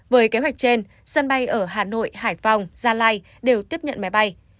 với kế hoạch trên sân bay ở hà nội hải phòng gia lai đều tiếp nhận máy bay